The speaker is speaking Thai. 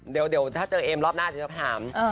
เดี๋ยวถ้าเจอเอมรอบหน้าจะถาม